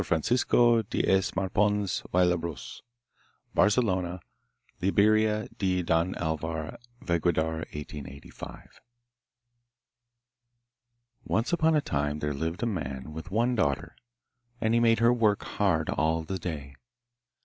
Francisco de S. Maspons y Labros (Barcelona: Libreria de Don Alvar Verdaguer 1885). Once upon a time there lived a man with one daughter and he made her work hard all the day.